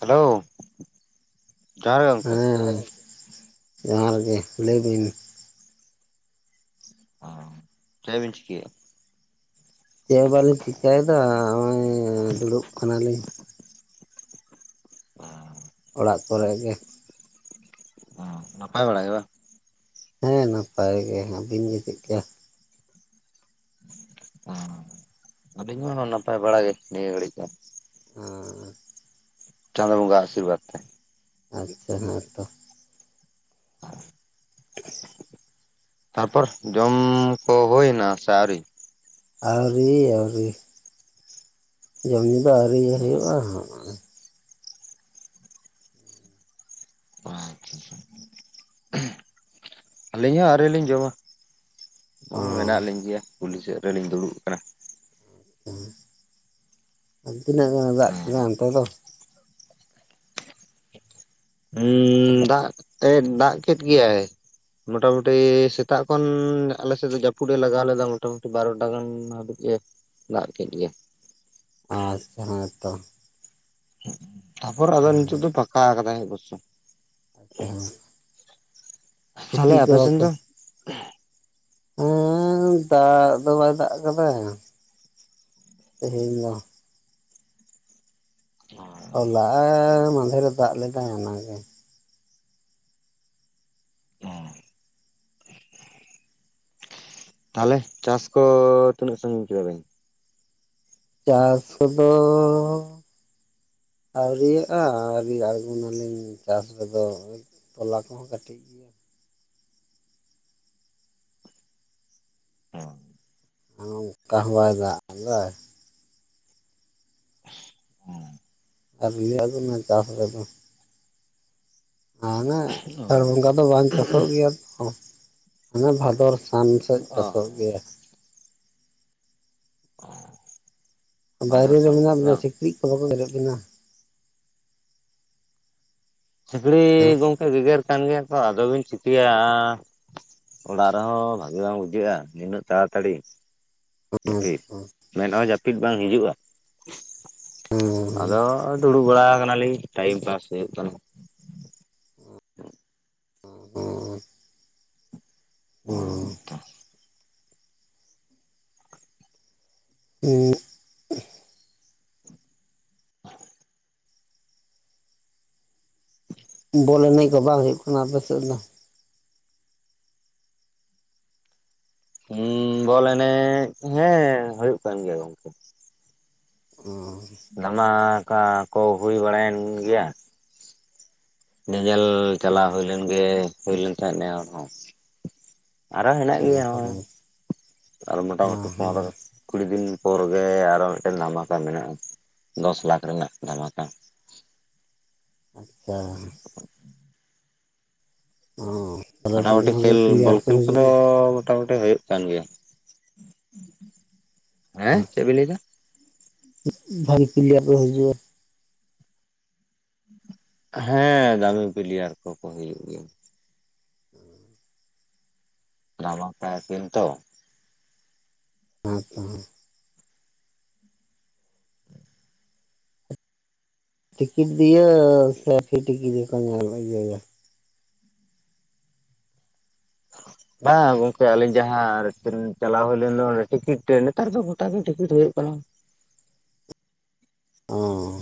Hello ᱡᱚᱦᱟᱨ ᱜᱮ ᱜᱚᱝᱠᱮ ᱦᱮᱸ [inaudible] ᱡᱚᱦᱟᱨ ᱜᱮ ᱞᱟᱹᱭ ᱵᱤᱱ ᱚ ᱪᱮᱫᱵᱤᱱ ᱪᱤᱠᱟᱭᱮᱫᱟ ᱪᱮᱫ ᱦᱚᱸ ᱵᱟᱞᱤᱧ ᱪᱤᱠᱟᱭᱮᱫᱟ ᱱᱚᱜᱚᱭ ᱫᱩᱲᱩᱵ ᱠᱟᱱᱟᱞᱤᱧ ᱚᱲᱟᱜ ᱠᱚᱨᱮ ᱜᱮ ᱱᱟᱯᱟᱭ ᱵᱟᱲᱟ ᱜᱮ ᱵᱟᱝ ᱦᱮᱸ ᱱᱟᱯᱟᱭ ᱜᱮ ᱟᱹᱵᱤᱱ ᱜᱮ ᱪᱮᱫᱞᱮᱠᱟ ᱟᱹᱞᱤᱧ ᱦᱚᱸ ᱱᱟᱯᱟᱭ ᱵᱟᱲᱟᱟᱜ ᱜᱮ ᱱᱤᱭᱟᱹ ᱜᱷᱟᱹᱲᱤᱡ ᱫᱚ ᱦᱚᱸ ᱪᱟᱸᱫ ᱵᱚᱸᱜᱟ ᱟᱤᱨᱵᱟᱫᱽ ᱛᱮ ᱟᱪᱪᱷᱟ ᱦᱮᱸᱛᱚ ᱛᱟᱨᱯᱚᱨ ᱡᱚᱻᱢ ᱠᱚ ᱦᱩᱭᱮᱱᱟ ᱥᱮ ᱟᱹᱣᱨᱤ ᱟᱹᱣᱨᱤ ᱟᱹᱣᱨᱤ ᱡᱚᱢ ᱧᱩ ᱫᱚ ᱟᱹᱣᱨᱤ ᱦᱩᱭᱩᱜᱼᱟ ᱟᱪᱪᱷᱟᱷᱟ ᱟᱹᱞᱤᱧ ᱦᱚᱸ ᱟᱹᱣᱨᱤ ᱞᱤᱧ ᱡᱚᱢᱟ ᱚ ᱦᱸᱚᱭ ᱢᱮᱱᱟᱜ ᱞᱤᱧ ᱜᱮᱭᱟ ᱠᱩᱞᱦᱤ ᱥᱮᱫ ᱨᱮᱞᱤᱧ ᱫᱩᱲᱩᱵ ᱠᱟᱱᱟ ᱟᱨ ᱛᱤᱱᱟᱹᱜ ᱜᱟᱱᱮ ᱫᱟᱜ ᱠᱮᱫᱟ ᱚᱱᱛᱮ ᱫᱚ ᱦᱩᱸ ᱫᱟᱜ ᱛᱮᱫ ᱫᱟᱜ ᱠᱮᱫ ᱜᱮᱭᱟᱭ ᱢᱚᱴᱟᱢᱩᱴᱤ ᱥᱮᱛᱟᱜ ᱠᱷᱚᱱ ᱟᱞᱮ ᱥᱮᱫ ᱫᱚ ᱡᱟᱹᱯᱩᱫ ᱮ ᱞᱟᱜᱟᱣ ᱞᱮᱫᱟ ᱢᱚᱴᱟᱢᱩᱴᱤ ᱵᱟᱨᱚᱴᱟ ᱜᱟᱱ ᱦᱟᱹᱵᱤᱡ ᱮ ᱫᱟᱜ ᱠᱮᱜ ᱜᱮᱭᱟ ᱟᱪᱪᱷᱟ ᱦᱮᱸ ᱛᱚ ᱛᱟᱨᱯᱚᱨ ᱟᱫᱚ ᱦᱮᱸ ᱱᱤᱛᱚᱜ ᱫᱚ ᱯᱷᱟᱠᱟ ᱟᱠᱟᱫᱟᱭ ᱚᱵᱚᱥᱥᱚ ᱟᱪᱪᱷᱟ ᱦᱮᱸ ᱛᱟᱦᱚᱞᱮ ᱠᱤᱪᱨᱤᱡ ᱠᱚ ᱟᱯᱮ ᱥᱮᱱ ᱵᱟᱠᱚ ᱫᱚ ᱦᱮᱸ ᱫᱟᱜ ᱫᱚ ᱵᱟᱭ ᱫᱟᱜ ᱟᱠᱟᱫᱟ ᱛᱮᱦᱮᱧ ᱫᱚ ᱦᱸ ᱦᱚᱞᱟ ᱢᱟᱫᱷᱮᱨᱮ ᱫᱟᱜ ᱞᱮᱫᱟ ᱚᱱᱟᱜᱮ ᱦᱮᱸ ᱛᱟᱦᱞᱮ ᱪᱟᱥ ᱠᱚ ᱛᱤᱱᱟᱹᱜ ᱥᱟᱺᱜᱤᱧ ᱠᱮᱫᱟ ᱵᱮᱱ ᱪᱟᱥ ᱠᱚᱫᱚ ᱟᱹᱣᱨᱤᱭᱟᱜᱼᱟ ᱟᱹᱣᱨᱤ ᱟᱬᱜᱚᱱᱟᱞᱤᱧ ᱪᱟᱥ ᱨᱮᱫᱚ ᱛᱚᱞᱟ ᱠᱚᱦᱚᱸ ᱠᱟᱹᱴᱤᱡ ᱜᱮᱭᱟ ᱦᱚᱸ ᱟᱨ ᱚᱱᱠᱟ ᱦᱚᱵᱟᱭ ᱫᱟᱜ ᱟᱫᱟᱭ ᱦᱸᱚ ᱟᱹᱣᱨᱤ ᱞᱤᱧ ᱟᱬᱜᱚᱱᱟ ᱪᱟᱥ ᱨᱮᱫᱚ ᱦᱟᱱᱮ ᱟᱥᱟᱲ ᱚ ᱵᱚᱸᱜᱟ ᱫᱚ ᱵᱟᱝ ᱪᱟᱥᱚᱜ ᱜᱮᱭᱟ ᱛᱚ ᱦᱟᱱᱮ ᱵᱷᱟᱫᱚᱨ ᱛᱷᱟᱱ ᱥᱮᱫ ᱚ ᱪᱟᱥᱚᱜ ᱜᱮᱭᱟ ᱚ ᱵᱟᱭᱨᱮ ᱨᱮ ᱢᱮᱱᱟᱜ ᱵᱤᱱᱟ ᱥᱤᱠᱲᱤᱡ ᱠᱚ ᱵᱟᱠᱚ ᱜᱮᱨᱮᱫ ᱵᱤᱱᱟ ᱥᱤᱠᱲᱤ ᱦᱮᱸ ᱜᱚᱢᱠᱮ ᱜᱮᱜᱮᱨ ᱠᱟᱱ ᱜᱮᱭᱟ ᱛᱚ ᱟᱫᱚ ᱵᱤᱱ ᱪᱤᱠᱟᱹᱭᱟ ᱚᱲᱟᱜ ᱨᱮᱦᱚᱸ ᱵᱷᱟᱜᱤ ᱵᱟᱝ ᱵᱩᱡᱷᱟᱹᱜᱼᱟ ᱱᱤᱱᱟᱹᱜ ᱛᱟᱲᱟᱛᱟᱲᱤ ᱡᱟᱹᱯᱤᱫ ᱢᱮᱱ ᱦᱚᱸ ᱡᱟᱹᱯᱤᱫ ᱵᱟᱝ ᱦᱤᱡᱩᱜᱼᱟ ᱟᱫᱚ ᱫᱩᱲᱩᱵ ᱵᱟᱲᱟ ᱠᱟᱱᱟᱞᱤᱧ ᱴᱟᱭᱤᱢ ᱯᱟᱥ ᱦᱩᱭᱩᱜ ᱠᱟᱱᱟ ᱦᱩᱸ ᱚᱨ ᱚᱸ ᱤ ᱵᱚᱞ ᱮᱱᱮᱡ ᱠᱚ ᱵᱟᱝ ᱦᱩᱭᱩᱜ ᱠᱟᱱᱟ ᱟᱯᱮ ᱥᱮᱫ ᱫᱚ ᱦᱸ ᱵᱚᱞ ᱮᱱᱮᱡ ᱦᱮᱸ ᱦᱩᱭᱩᱜ ᱠᱟᱱ ᱜᱮᱭᱟ ᱜᱚᱝᱠᱮ ᱚᱸ ᱫᱷᱟᱢᱟᱠᱟ ᱠᱟ ᱦᱩᱭ ᱵᱟᱲᱟᱭᱮᱱ ᱜᱮᱭᱟ ᱧᱮᱧᱮᱞ ᱪᱟᱞᱟᱣ ᱦᱩᱭ ᱞᱮᱱᱜᱮ ᱦᱩᱭ ᱞᱮᱱ ᱛᱟᱦᱮᱸᱫ ᱱᱮ ᱟᱨᱦ ᱟᱨᱚ ᱦᱮᱱᱟᱜ ᱚ ᱦᱮᱸ ᱜᱮᱭᱟ ᱱᱚᱜᱼᱚᱭ ᱟᱨᱦᱚ ᱢᱚᱴᱟᱢᱩᱴᱤ ᱯᱚᱱᱚ ᱦᱮᱸ ᱠᱩᱲᱤ ᱫᱤᱱ ᱯᱚᱨ ᱜᱮ ᱟᱨᱦᱚ ᱢᱤᱫ ᱴᱮᱱ ᱫᱷᱟᱢᱟᱠᱟ ᱢᱮᱱᱟᱜᱼᱟ ᱫᱚᱥ ᱞᱟᱠᱷ ᱨᱮᱱᱟᱜ ᱫᱷᱟᱢᱟᱠᱟ ᱟᱪᱪᱷᱟ ᱚᱸ ᱢᱚᱴᱟᱢᱩᱴᱤ ᱠᱷᱮᱞ ᱵᱚᱞ ᱠᱷᱮᱞ ᱠᱚᱫᱚ ᱢᱚᱴᱟᱢᱩᱴᱤ ᱦᱩᱭᱩᱜ ᱠᱟᱱ ᱜᱮᱭᱟ ᱦᱮᱸ ᱪᱮᱫ ᱵᱤᱱ ᱞᱟᱹᱭ ᱮᱫᱟ ᱵᱷᱟᱜᱤ ᱯᱞᱤᱭᱟᱨ ᱠᱚ ᱦᱤᱡᱩᱜᱼᱟ ᱦᱮᱸ ᱫᱟᱢᱤ ᱯᱞᱤᱭᱟᱨ ᱠᱚᱠᱚ ᱦᱤᱡᱩᱜ ᱜᱮᱭᱟ ᱱᱟᱢᱟ ᱯᱟᱭᱥᱤᱱ ᱛᱚ ᱦᱮᱸ ᱛᱚ ᱦᱮᱸ ᱴᱤᱠᱤᱴ ᱫᱤᱭᱮ ᱥᱮ ᱯᱷᱤ ᱴᱤᱠᱤᱴ ᱜᱮᱠᱚ ᱧᱮᱞ ᱤᱭᱟᱹᱭᱟ ᱟᱨ [inaudible] ᱵᱟᱝ ᱜᱚᱝᱠᱮ ᱟᱞᱤᱧ ᱡᱟᱦᱟᱸ ᱪᱟᱞᱟᱣ ᱦᱩᱭ ᱞᱮᱱ ᱫᱚᱰᱮ ᱴᱤᱠᱤᱴ ᱱᱮᱛᱟᱨ ᱫᱚ ᱜᱚᱴᱟ ᱜᱮ ᱴᱤᱠᱤᱴ ᱦᱩᱭᱩᱜ ᱠᱟᱱᱟ ᱚ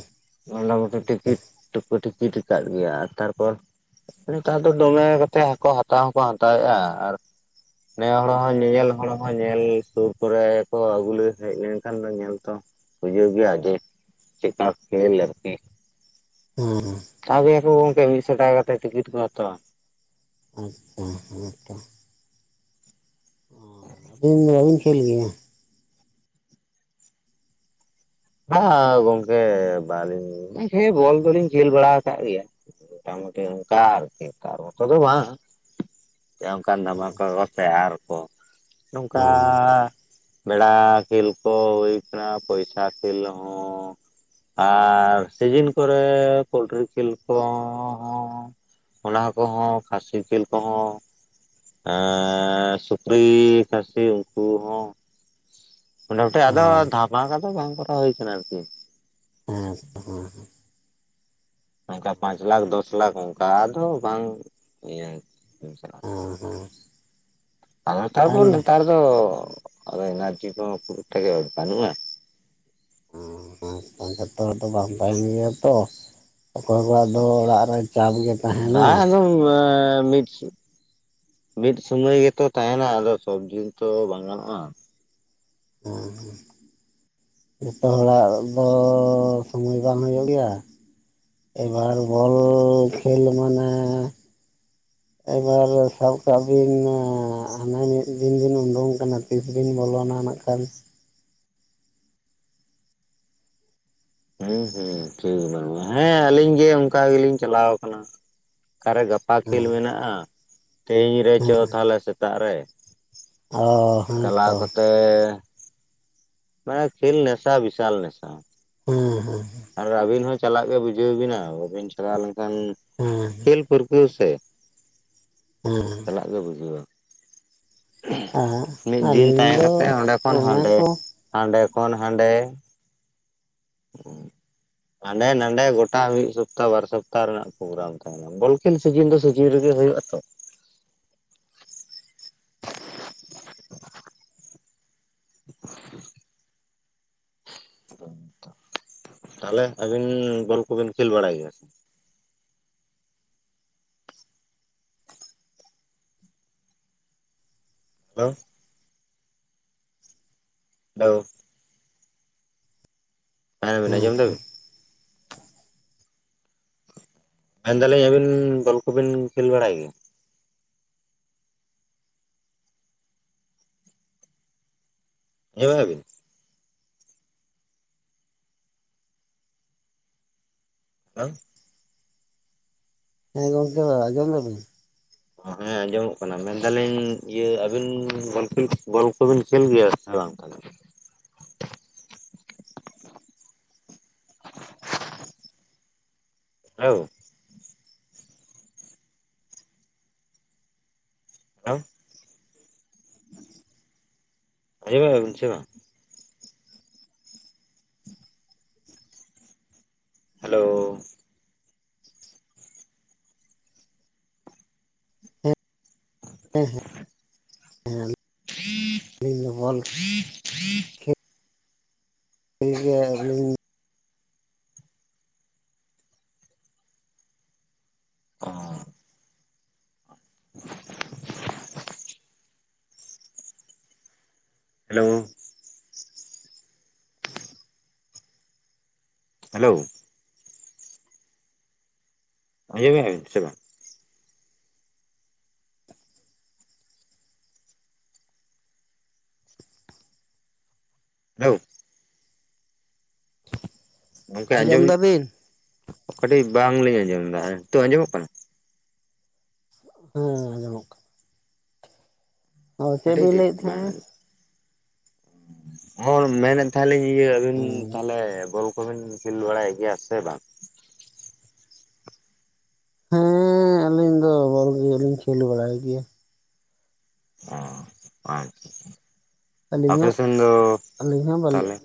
ᱢᱚᱴᱟᱢᱩᱴᱤ ᱴᱤᱠᱤᱴ ᱫᱚ ᱠᱚ ᱴᱤᱠᱤᱴ ᱟᱠᱟᱫ ᱜᱮᱭᱟ ᱛᱟᱨᱯᱚᱨ ᱱᱮᱛᱟᱨ ᱫᱚ ᱫᱚᱢᱮ ᱠᱟᱛᱮ ᱟᱠᱚ ᱦᱟᱛᱟᱣ ᱦᱚᱸᱠᱚ ᱦᱟᱛᱟᱣᱮᱫᱼᱟ ᱟᱨ ᱱᱮ ᱦᱚᱲ ᱦᱚᱸ ᱧᱮᱧᱮᱞ ᱦᱚᱲ ᱦᱚᱸ ᱧᱮᱞ ᱥᱩᱨ ᱠᱚᱨᱮ ᱠᱚ ᱟᱹᱜᱩ ᱦᱮᱡ ᱞᱮᱱᱠᱷᱟᱱ ᱫᱚ ᱧᱮᱞ ᱛᱚ ᱵᱩᱡᱷᱟᱹᱣ ᱜᱮᱭᱟ ᱡᱮ ᱪᱮᱫᱠᱟ ᱠᱷᱮᱞ ᱟᱨᱠᱤ ᱩ [inaudible] ᱦᱟᱛᱟᱣ ᱠᱚ ᱜᱚᱢᱠᱮ ᱢᱤᱫᱥᱚ ᱴᱟᱠᱟ ᱠᱟᱛᱮ ᱴᱤᱠᱤᱴ ᱠᱚ ᱦᱟᱛᱟᱣᱟ ᱟᱪᱪᱷᱟ ᱦᱮᱸ ᱛᱚ ᱟᱹᱞᱤᱧ ᱫᱚ ᱵᱟᱹᱵᱤᱱ ᱠᱷᱮᱞ ᱜᱮᱭᱟ ᱵᱟᱝ ᱟ ᱜᱚᱝᱠᱮ ᱵᱟᱞᱤᱧ ᱦᱮᱸ ᱵᱚᱞ ᱫᱚᱞᱤᱧ ᱠᱷᱮᱞ ᱵᱟᱲᱟ ᱠᱟᱫ ᱜᱮᱭᱟ ᱢᱳᱴᱟᱢᱩᱴᱤ ᱚᱱᱠᱟ ᱟᱨᱠᱤ ᱛᱟᱨ ᱢᱚᱛᱚ ᱫᱚ ᱵᱟᱝ ᱚᱱᱠᱟᱱ ᱚ ᱫᱟᱢᱟ ᱠᱚ ᱵᱮᱵᱚᱥᱛᱟᱭᱟ ᱟᱨᱠᱚ ᱱᱚᱝᱠᱟ ᱦᱮᱸ ᱵᱮᱲᱟ ᱠᱷᱮᱞ ᱠᱚ ᱦᱩᱭ ᱠᱟᱱᱟ ᱯᱚᱭᱥᱟ ᱠᱷᱮᱞ ᱦᱚᱸ ᱟᱨ ᱥᱤᱡᱤᱱ ᱠᱚᱨᱮ ᱯᱳᱚᱞᱴᱨᱤ ᱠᱷᱮᱞ ᱠᱚᱦᱚᱸ ᱚᱱᱟ ᱠᱚᱦᱚᱸ ᱠᱷᱟᱹᱥᱤ ᱡᱮᱞ ᱠᱚᱦᱚᱸ ᱟᱨ ᱥᱩᱠᱨᱤ ᱠᱟᱥᱤ ᱩᱱᱠᱩ ᱦᱚᱸ ᱢᱚᱴᱟᱢᱩᱴᱤ ᱛᱚ ᱟᱫᱚ ᱫᱷᱟᱯᱟᱠᱟ ᱫᱚ ᱵᱟᱝ ᱠᱚᱨᱟᱣ ᱦᱩᱭ ᱠᱟᱱᱟ ᱟᱨᱠᱤ ᱦᱮᱸ ᱛᱚ ᱦᱮᱸ ᱦᱮᱸ ᱚᱱᱠᱟ ᱯᱟᱸᱪ ᱞᱟᱠᱷ ᱫᱚᱥ ᱞᱟᱠᱷ ᱚᱱᱠᱟ ᱫᱚ ᱵᱟᱝ ᱤᱭᱟᱹ ᱦᱮᱸ ᱦᱮᱸ [inaudible] ᱟ-ᱚ ᱛᱟᱨᱯᱚᱨ ᱟᱞᱮ ᱱᱮᱛᱟᱨ ᱛᱚ ᱟᱫᱚ ᱮᱱᱟᱨᱡᱤ ᱠᱚ ᱦᱚ ᱠᱷᱩᱵ ᱮᱠᱢᱟ ᱫᱚ ᱵᱟᱹᱱᱩᱜᱼᱟ ᱾ [unintelligible] ᱵᱟᱝ ᱛᱟᱦᱮᱱ ᱜᱮᱭᱟ ᱛᱚ ᱚᱠᱚᱭ ᱠᱚᱣᱟᱜ ᱫᱚ ᱚᱲᱟᱜ ᱨᱮ ᱪᱟᱯ ᱜᱮ ᱛᱟᱦᱮᱱᱟ ᱾ ᱚᱣᱟ ᱢᱩᱪ ᱢᱤᱫ ᱥᱩᱢᱟᱹᱭ ᱜᱮᱛᱚ ᱛᱟᱦᱮᱱᱟ ᱟᱫᱚ ᱥᱚᱵ ᱫᱤᱱ ᱛᱚ ᱵᱟᱝ ᱜᱟᱱᱚᱜᱼᱟ ᱾ ᱦᱩᱸ-ᱦᱩᱸ ᱾ ᱡᱚᱛᱚ ᱦᱚᱲᱟᱜ ᱫᱚ ᱥᱚᱢᱚᱭ ᱵᱟᱝ ᱦᱩᱭᱩᱜ ᱜᱮᱭᱟ ᱮᱵᱟᱨ ᱵᱚᱞ ᱠᱷᱮᱞ ᱢᱟᱱᱮ ᱮᱵᱟᱨ ᱥᱟᱵ ᱠᱟᱜ ᱵᱤᱱ ᱦᱟᱱᱟ ᱢᱤᱫ ᱫᱤᱱ ᱵᱤᱱ ᱩᱰᱩᱝ ᱠᱟᱱᱟ ᱛᱤᱥᱵᱤ ᱵᱚᱞᱚᱱᱟ ᱱᱟᱜ ᱠᱷᱟᱱ ᱦᱮᱸ ᱦᱮᱸ ᱴᱷᱤᱠ ᱦᱮᱸ ᱟᱹᱞᱤᱧ ᱜᱮ ᱚᱱᱠᱟ ᱜᱮᱞᱤᱧ ᱪᱟᱞᱟᱣ ᱠᱟᱱᱟ ᱚᱠᱟᱨᱮ ᱜᱟᱯᱟ ᱜᱟᱯᱟ ᱦᱮᱸ ᱠᱷᱮᱞ ᱢᱮᱱᱟᱜᱼᱟ ᱛᱮᱦᱮᱧ ᱨᱮ ᱪᱚ ᱦᱮᱸ ᱛᱟᱦᱚᱞᱮ ᱥᱮᱛᱟᱜ ᱨᱮ ᱚ ᱦᱮᱸ ᱛᱚ ᱚᱻᱮ ᱱᱚᱜᱼᱚᱭ ᱠᱷᱮᱞ ᱱᱮᱥᱟ ᱵᱤᱥᱟᱞ ᱱᱮᱥᱟ ᱾ ᱦᱩ ᱦᱩ ᱟᱨ ᱟᱹᱵᱤᱱ ᱦᱚᱸ ᱪᱟᱞᱟᱜ ᱜᱮ ᱵᱩᱡᱷᱟᱹᱣ ᱵᱤᱱᱟ ᱵᱟᱹᱵᱤᱱ ᱪᱟᱞᱟᱣ ᱞᱮᱱ ᱠᱷᱟᱱ ᱦᱩᱸᱻᱦᱩ ᱾ ᱯᱟᱨᱯᱟᱥ ᱥᱮ ᱦᱩᱸ-ᱦᱩᱸ ᱾ ᱪᱟᱞᱟᱜ ᱜᱮ ᱵᱩᱡᱷᱟᱹᱣᱼᱟ ᱾ ᱟᱨ ᱢᱤᱫ ᱫᱤᱱ ᱟᱹᱞᱤᱧ ᱛᱟᱦᱮᱸ ᱫᱚ ᱠᱟᱛᱮ ᱚᱸᱰᱮ ᱠᱷᱚᱱ ᱚᱱᱟ ᱦᱟᱸᱰᱮ ᱠᱚ ᱦᱟᱸᱰᱮ ᱠᱷᱚᱱ ᱦᱟᱸᱰᱮ ᱾ ᱦᱟᱸᱰᱮ ᱱᱟᱰᱮ ᱜᱚᱴᱟ ᱢᱤᱫ ᱥᱚᱯᱛᱟᱦᱚ ᱵᱟᱨ ᱥᱚᱯᱛᱟᱦᱚ ᱨᱮᱱᱟᱜ ᱯᱨᱳᱜᱨᱟᱢ ᱛᱟᱦᱮᱸ ᱱᱟ ᱾ ᱵᱚᱞ ᱠᱷᱮᱞ ᱥᱤᱡᱤᱱ ᱫᱚ ᱥᱤᱡᱤᱱ ᱨᱮᱜᱮ ᱦᱩᱭᱩᱜᱼᱟ ᱛᱚ ᱾ [unintelligible] ᱛᱟᱦᱚᱞᱮ ᱟᱹᱵᱤᱱ ᱵᱚᱞ ᱠᱚᱵᱤᱱ ᱠᱷᱮᱞ ᱵᱟᱲᱟᱭ ᱜᱮᱭᱟ ᱥᱮ? ᱮᱸ [inaudible] ᱦᱮᱸᱛᱚ [unintelligible] ᱢᱮᱱ ᱫᱟᱞᱤᱧ ᱟᱹᱵᱤᱱ ᱵᱚᱞ ᱠᱚᱵᱤᱱ ᱠᱷᱮᱞ ᱵᱟᱲᱟᱜ ᱜᱮᱭᱟ? [inaudible] [inaudible] ᱦᱮᱸ ᱜᱚᱢᱠᱮ ᱟᱡᱚᱢ ᱫᱟᱵᱤᱱ? ᱦᱮᱸ ᱟᱸᱡᱚᱢᱚᱜ ᱠᱟᱱᱟ ᱢᱮᱱ ᱫᱟᱞᱤᱧ ᱤᱭᱟᱹ ᱟᱹᱵᱤᱱ ᱵᱚᱞ ᱠᱷᱮᱞ ᱵᱚᱞ ᱠᱚᱵᱤᱱ ᱠᱷᱮᱞ ᱜᱮᱭᱟ ᱥᱮ ᱵᱟᱝ? ᱛᱟᱞᱮ ᱦᱮᱣ ᱾ ᱟᱸ [unintelligible] ᱦᱮᱞᱳᱣ, ᱦᱮᱸ [inaudible] ᱦᱮᱸ ᱦᱮᱸ [inaudible] ᱠᱷᱮ [unintelligible] ᱚᱸᱻ ᱦᱮᱞᱳᱣ ᱾ ᱦᱮᱞᱳᱣ ᱾ ᱟᱡᱚᱢᱮᱜᱼᱟ ᱵᱤᱱ ᱥᱮ ᱵᱟᱝ? [inaudible] ᱜᱚᱢᱠᱮ ᱟᱸᱡᱚᱢ ᱠᱟᱹᱴᱤᱡ ᱵᱟᱝᱞᱤᱧ ᱟᱸᱡᱚᱢ ᱮᱫᱟ ᱱᱤᱛᱚᱜ ᱟᱸᱡᱚᱢᱚᱜ ᱠᱟᱱᱟ ᱦᱮᱸ ᱜᱟᱱᱚᱜ ᱠᱟᱱᱟ ᱚ ᱪᱮᱫ ᱟᱹᱰᱤ ᱵᱤᱱ ᱴᱮᱥᱴ ᱞᱟᱹᱭᱮᱫ ᱵᱟᱝ ᱛᱟᱦᱮᱸᱜᱼᱟ ᱦᱩ ᱢᱮᱱᱮᱫ ᱛᱟᱦᱮᱞᱤᱧ ᱤᱭᱟᱹ ᱟᱹᱵᱤᱱ ᱛᱟᱦᱞᱮ ᱵᱚᱞ ᱠᱚᱵᱤᱱ ᱠᱷᱮᱞ ᱵᱟᱲᱟᱭ ᱜᱤᱭᱟ ᱥᱮ ᱵᱟᱝ ᱦᱮᱸ ᱟᱹᱞᱤᱧ ᱫᱚ ᱵᱚᱞ ᱜᱮᱞᱤᱧ ᱠᱷᱮᱞ ᱵᱟᱲᱟᱭ ᱜᱮᱭᱟ ᱚ ᱟᱪᱪᱷᱟ ᱟᱹᱞᱤᱧ ᱚᱯᱮ ᱦᱟᱸᱜ ᱥᱮᱱ ᱫᱚ ᱟᱹᱞᱤᱧ ᱦᱚᱸ ᱵᱟᱞᱮ ᱛᱟᱦᱚᱞᱮ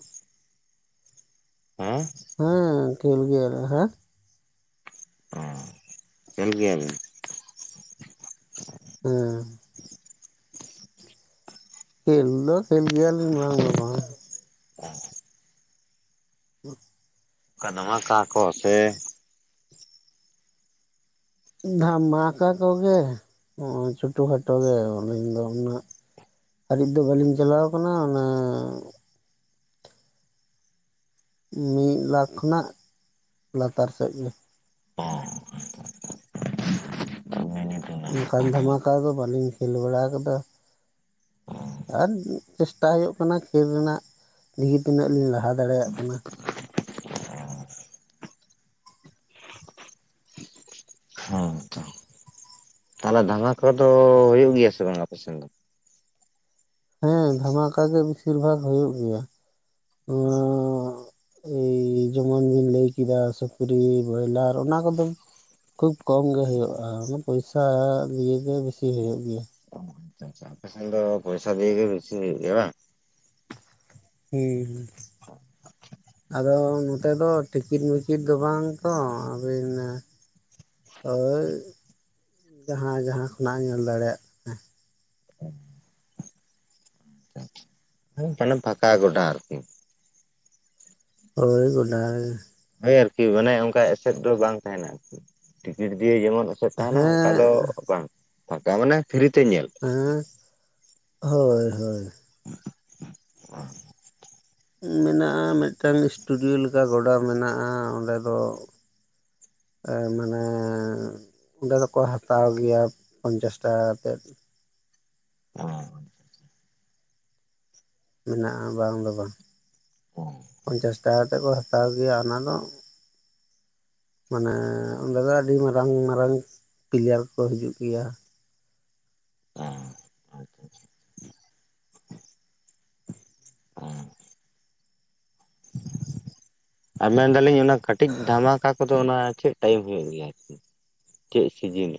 ᱦᱟᱸ ᱾ ᱦᱩᱸ ᱠᱷᱮᱞ ᱜᱮᱭᱟ ᱞᱮ ᱦᱟᱸ ᱚᱸ ᱠᱷᱮᱞ ᱜᱮᱭᱟᱞᱤᱧ ᱾ ᱦᱩᱸ ᱠᱷᱮᱞ ᱫᱚ ᱠᱷᱮᱞ ᱜᱮᱭᱟᱞᱤᱧ ᱵᱟᱝ ᱫᱚ ᱵᱟᱝ ᱾ [inaudible] ᱠᱟᱱᱟ ᱱᱚᱣᱟᱠᱟ ᱠᱚ ᱥᱮ ᱫᱷᱟᱢᱟᱠᱟ ᱠᱚᱜᱮ ᱱᱚᱜᱼᱚᱭ ᱪᱷᱳᱴᱳ ᱠᱷᱟᱴᱚ ᱜᱮ ᱟᱹᱞᱤᱧ ᱫᱚ ᱩᱱᱟᱹᱜ ᱟᱹᱞᱤᱧ ᱫᱚ ᱵᱟᱹᱞᱤᱧ ᱪᱟᱞᱟᱣ ᱟᱠᱟᱱᱟ ᱚᱱᱟ ᱢᱤᱫ ᱞᱟᱠᱷ ᱠᱷᱚᱱᱟᱜ ᱞᱟᱛᱟᱨ ᱥᱮᱫ ᱜᱮ ᱚ [inaudible] ᱚᱱᱠᱟᱱ ᱫᱷᱟᱢᱟᱠᱟ ᱫᱚ ᱵᱟᱹᱞᱤᱧ ᱠᱷᱮᱞ ᱵᱟᱲᱟ ᱟᱠᱟᱫᱟ ᱟᱨ ᱪᱮᱥᱴᱟ ᱦᱩᱭᱩᱜ ᱠᱟᱱᱟ ᱠᱷᱮᱞ ᱨᱮᱱᱟᱜ ᱫᱮᱠᱷᱤ ᱛᱤᱱᱟᱹᱜ ᱞᱤᱧ ᱞᱟᱦᱟ ᱫᱟᱲᱮᱭᱟᱜ ᱠᱟᱱᱟ ᱦᱮᱸ ᱛᱚ ᱛᱟᱦᱚᱞᱮ ᱫᱷᱟᱢᱟᱠᱟ ᱠᱚ ᱫᱚ ᱦᱩᱭᱩᱜ ᱜᱮᱭᱟ ᱥᱮ ᱵᱟᱝ ᱟᱯᱮ ᱥᱮᱱ ᱫᱚ ᱦᱮᱸ ᱫᱷᱟᱢᱟᱠᱟ ᱜᱮ ᱵᱮᱥᱤᱨ ᱵᱷᱟᱜᱽ ᱦᱩᱭᱩᱜ ᱜᱮᱭᱟ ᱱᱚᱣᱟ ᱮᱭ ᱡᱮᱢᱚᱱ ᱵᱤᱱ ᱞᱟᱹᱭ ᱠᱮᱫᱟ ᱥᱩᱠᱨᱤ ᱵᱚᱭᱞᱟᱨ ᱚᱱᱟ ᱠᱚᱫᱚᱢ ᱠᱷᱩᱵ ᱠᱚᱢ ᱜᱮ ᱦᱩᱭᱩᱜᱼᱟ ᱚᱱᱟ ᱯᱚᱭᱥᱟ ᱫᱤᱭᱮ ᱜᱮ ᱵᱤᱥᱤ ᱦᱩᱭᱩᱜ ᱜᱮᱭᱟ ᱚ [inaudible] ᱟᱯᱮ ᱥᱮᱱ ᱫᱚ ᱯᱚᱭᱥᱟ ᱫᱤᱭᱟᱹ ᱜᱮ ᱵᱤᱥᱤ ᱦᱩᱭᱩᱜ ᱜᱮᱭᱟ ᱵᱟᱝ ᱦᱮᱸ ᱟᱫᱚ ᱱᱚᱛᱮ ᱫᱚ ᱴᱤᱠᱤᱴ ᱢᱤᱠᱤᱴ ᱫᱚ ᱵᱟᱝ ᱛᱚ ᱟᱹᱵᱤᱱ ᱦᱳᱭ ᱡᱟᱦᱟᱸ ᱡᱟᱦᱟᱸ ᱠᱷᱚᱱᱟᱜᱼᱮ ᱧᱮᱞ ᱫᱟᱲᱮᱭᱟᱜ ᱦᱮᱸ ᱢᱟᱱᱮ ᱯᱷᱟᱠᱟ ᱜᱚᱰᱟ ᱟᱨᱠᱤ ᱦᱳᱭ ᱜᱚᱰᱟ ᱦᱳᱭ ᱟᱨᱠᱤ ᱢᱟᱱᱮ ᱚᱱᱠᱟ ᱮᱥᱮᱫ ᱫᱚ ᱵᱟᱝ ᱛᱟᱦᱮᱱᱟ ᱟᱨᱠᱤ ᱴᱤᱠᱤᱴ ᱫᱤᱭᱟᱹ ᱡᱮᱢᱚᱱ ᱛᱟᱦᱮᱱᱟ ᱚᱱᱠᱟ ᱦᱮᱸ ᱫᱚ ᱵᱟᱝ ᱯᱷᱟᱠᱟ ᱢᱟᱱᱮ ᱯᱷᱤᱨᱤ ᱛᱮ ᱧᱮᱞ ᱦᱮᱸ ᱦᱳᱭ ᱦᱳᱭ [inaudible] ᱢᱮᱱᱟᱜᱼᱟ ᱢᱤᱫᱴᱟᱝ ᱥᱴᱩᱰᱤᱭᱳ ᱞᱮᱠᱟ ᱜᱚᱰᱟ ᱢᱮᱱᱟᱜᱼᱟ ᱚᱸᱰᱮ ᱫᱚ ᱢᱟᱱᱮ ᱚᱸᱰᱮ ᱫᱚᱠᱚ ᱦᱟᱛᱟᱣ ᱜᱮᱭᱟ ᱯᱚᱧᱪᱟᱥ ᱴᱟᱠᱟ ᱠᱟᱛᱮᱫ [unintelligible] ᱢᱮᱱᱟᱜᱼᱟ ᱵᱟᱝ ᱫᱚ ᱵᱟᱝ ᱯᱚᱧᱪᱟᱥ ᱴᱟᱠᱟ ᱠᱟᱛᱮᱫ ᱠᱚ ᱦᱟᱛᱟᱣ ᱜᱮᱭᱟ ᱚᱱᱟ ᱫᱚ ᱢᱟᱱᱮ ᱚᱸᱰᱮ ᱫᱚ ᱟᱹᱰᱤ ᱢᱟᱨᱟᱝ ᱢᱟᱨᱟᱝ ᱯᱞᱤᱭᱟᱨ ᱠᱚ ᱦᱤᱡᱩᱜ ᱜᱮᱭᱟ ᱚᱸ ᱟᱪᱪᱷᱟᱪᱷᱟ [unintelligible] ᱟᱨ ᱢᱮᱱ ᱫᱟᱞᱤᱧ ᱚᱱᱟ ᱠᱟᱹᱴᱤᱡ ᱫᱷᱟᱢᱟᱠᱟ ᱠᱚᱫᱚ ᱚᱱᱟ ᱪᱮᱫ ᱴᱟᱭᱤᱢ ᱦᱩᱭᱩᱜ ᱜᱮᱭᱟ ᱟᱨᱠᱤ ᱪᱮᱫ ᱥᱤᱡᱤᱱ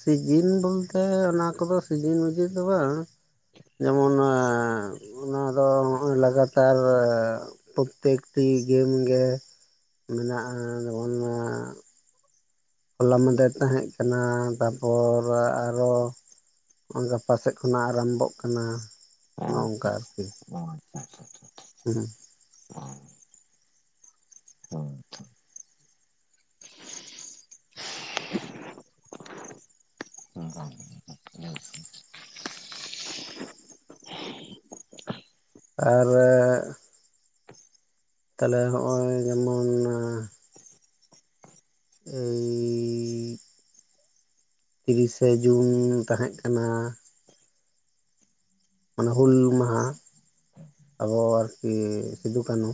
ᱥᱤᱡᱤᱱ ᱵᱚᱞᱛᱮ ᱚᱱᱟ ᱠᱚᱫᱚ ᱥᱤᱡᱤᱱ ᱢᱤᱡᱤᱱ ᱫᱚ ᱵᱟᱝ ᱡᱮᱢᱚᱱᱼᱟᱺ ᱚᱱᱟ ᱫᱚ ᱚᱸᱜᱼᱚᱭ ᱞᱟᱜᱟᱛ ᱟᱨ ᱯᱨᱚᱛᱛᱮᱠᱴᱤ ᱜᱮᱢ ᱜᱮ ᱢᱮᱱᱟᱜᱼᱟ ᱚᱱᱟ ᱦᱚᱞᱟ ᱢᱟᱫᱮᱨ ᱛᱟᱦᱮᱸᱜ ᱠᱟᱱᱟ ᱛᱟᱨᱯᱚᱨ ᱟᱨᱚ [unintelligible] ᱜᱟᱯᱟᱥᱮᱫ ᱠᱷᱚᱱᱟᱜ ᱟᱨᱟᱢᱵᱚᱜ ᱠᱟᱱᱟ ᱚ ᱟᱪᱪᱷᱟ ᱱᱚᱝᱠᱟ ᱟᱨᱠᱤ ᱟᱪᱪᱷᱟ ᱚ ᱟᱪᱪᱷᱟ [unintelligible] [unintelligible] [unintelligible] [unintelligible] [unintelligible] [unintelligible] ᱟᱨᱟᱹ ᱛᱟᱦᱚᱞᱮ ᱦᱚᱜᱼᱚᱭ ᱡᱮᱢᱚᱱ ᱟᱹᱭᱻᱤ ᱛᱤᱨᱤᱥᱮ ᱡᱩᱱ ᱛᱟᱦᱮᱸᱜ ᱠᱟᱱᱟ᱾ ᱚᱱᱟ ᱦᱩᱞ ᱢᱟᱦᱟ ᱟᱵᱚ ᱟᱣᱚᱨ ᱠᱤ ᱥᱤᱫᱩ ᱠᱟᱹᱱᱦᱩ᱾